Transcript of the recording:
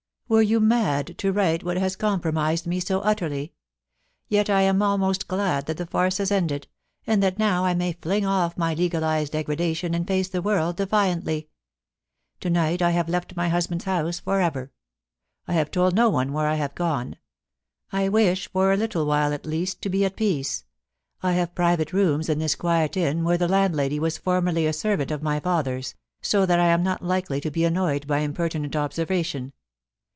Were you mad to write what has compromised me so utterly ? Yet I am almost glad that the farce has ended, and that now I may fling off my legalised degradation and face the world defiantly. To night I have left my husband's house for ever. I have told no one where I have gone. I wish for a little while, at least, to be at peace. I have private rooms in this quiet inn where the landlady was formerly a servant of my father's, so that I am not likely to be annoyed by impertinent observation.